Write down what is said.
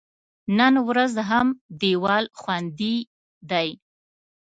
نن ورځ هم دیوال خوندي دی.